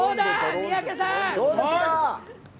三宅さん！